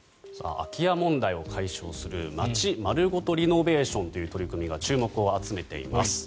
空き家問題を解消する街丸ごとリノベーションという取り組みが注目を集めています。